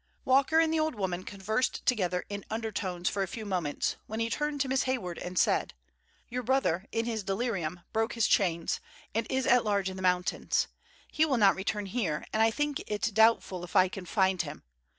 Walker and the old woman conversed together in undertones for a few moments, when he turned to Miss Hayward and said: "Your brother, in his delirium, broke his chains, and is at large in the mountains. He will not return here, and I think it doubtful if I can find him.